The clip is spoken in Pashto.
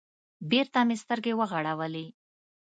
بېرته مې سترگې وغړولې.